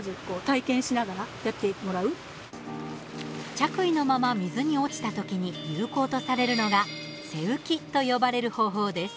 着衣のまま水に落ちた時に有効とされるのが背浮きと呼ばれる方法です。